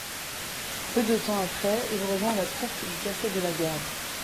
Peu de temps après, il rejoint la troupe du Café de la Gare.